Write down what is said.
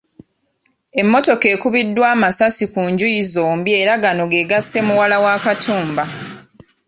Emmotoka ekubiddwa amasasi ku njuuyi zombi era gano ge gasse muwala wa Katumba .